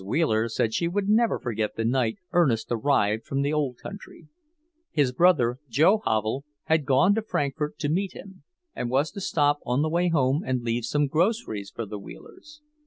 Wheeler said she would never forget the night Ernest arrived from the Old Country. His brother, Joe Havel, had gone to Frankfort to meet him, and was to stop on the way home and leave some groceries for the Wheelers.